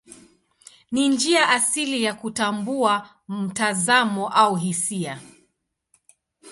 Ni njia asili ya kutambua mtazamo au hisia.